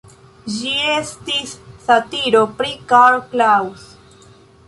Ĝi estis satiro pri Karl Kraus.